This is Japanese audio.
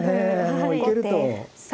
もう行けると。